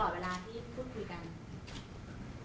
เวลาที่พูดคุยกัน